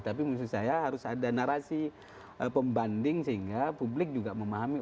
tapi maksud saya harus ada narasi pembanding sehingga publik juga memahami